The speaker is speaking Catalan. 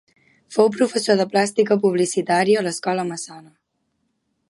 Fou professor de plàstica publicitària a l'escola Massana.